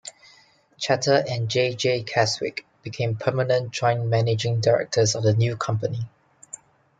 Chater and J. J. Keswick became permanent joint managing directors of the new company.